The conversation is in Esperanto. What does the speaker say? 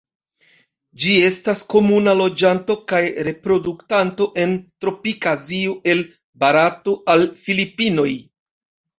Ĝi estas komuna loĝanto kaj reproduktanto en tropika Azio el Barato al Filipinoj.